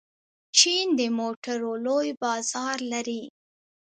چین د موټرو لوی بازار لري.